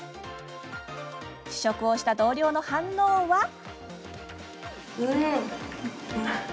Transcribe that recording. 試食をした同僚の反応は？